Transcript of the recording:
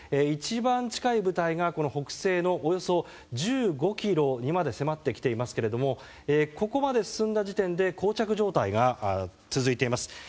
一番近い部隊が北西のおよそ１５ｋｍにまで迫ってきていますけれどもここまで進んだ時点で膠着状態が続いています。